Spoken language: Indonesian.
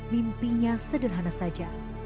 mimpinya sederhana saja